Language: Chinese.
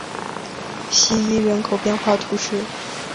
希伊人口变化图示